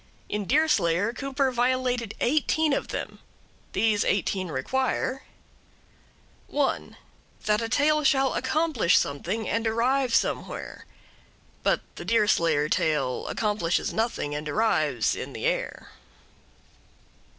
In Deerslayer Cooper violated eighteen of them. These eighteen require: 1. That a tale shall accomplish something and arrive somewhere. But the Deerslayer tale accomplishes nothing and arrives in the air.